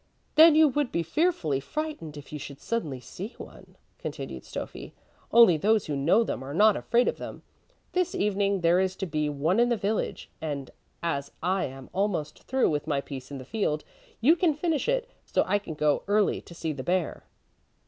"Then you would be fearfully frightened if you should suddenly see one," continued Stöffi; "only those who know them are not afraid of them. This evening there is to be one in the village, and, as I am almost through with my piece in the field, you can finish it, so I can go early to see the bear."